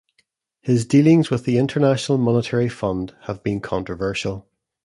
His dealings with the International Monetary Fund have been controversial.